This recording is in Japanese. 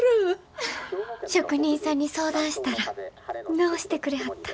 職人さんに相談したら直してくれはった。